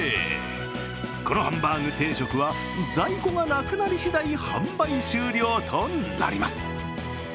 このハンバーグ定食は、在庫がなくなりしだい、販売終了となります。